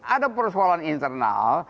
ada persoalan internal